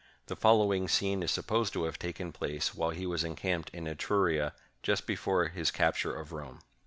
The following scene is supposed to have taken place while he was encamped in Etruria, just before his capture of Rome.